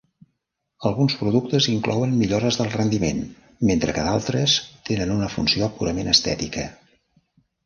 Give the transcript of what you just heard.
Alguns productes inclouen millores del rendiment, mentre que d'altres tenen una funció purament estètica.